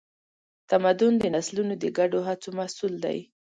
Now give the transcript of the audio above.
تمدن د نسلونو د ګډو هڅو محصول دی.